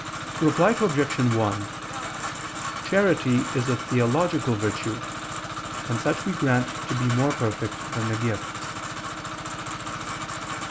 Reply Obj. 1: Charity is a theological virtue; and such we grant to be more perfect than the gifts.